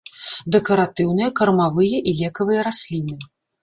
Дэкаратыўныя, кармавыя і лекавыя расліны.